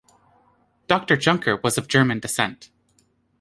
Doctor Junker was of German descent.